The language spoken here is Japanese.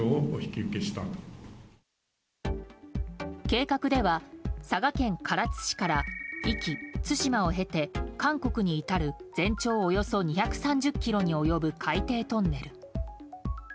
計画では、佐賀県唐津市から壱岐・対馬を経て韓国に至る全長およそ２３０ｋｍに及ぶ海底トンネル。